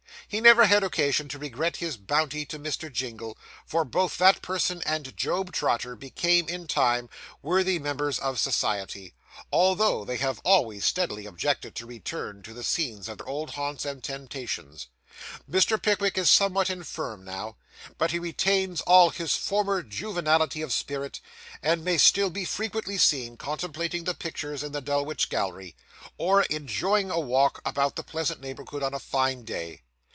He never had occasion to regret his bounty to Mr. Jingle; for both that person and Job Trotter became, in time, worthy members of society, although they have always steadily objected to return to the scenes of their old haunts and temptations. Mr. Pickwick is somewhat infirm now; but he retains all his former juvenility of spirit, and may still be frequently seen, contemplating the pictures in the Dulwich Gallery, or enjoying a walk about the pleasant neighbourhood on a fine day.